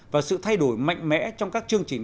và sự thay đổi mạnh mẽ trong các chương trình